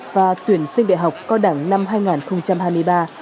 và tuyển sinh đại học cao đẳng năm hai nghìn hai mươi ba